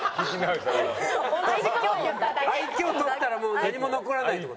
愛嬌を取ったらもう何も残らないって事？